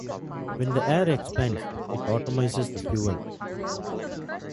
When the air expands it atomizes the fuel.